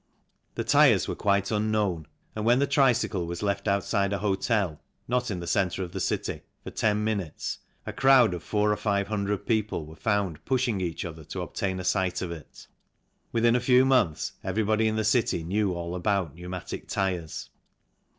The tyres were quite unknown, and when the tricycle was left outside a hotel (not in the centre of the city) for ten minutes, a crowd of 400 or 500 people were found pushing each other to obtain a sight of it. Within a few months everybody in the city knew all about pneumatic tyres.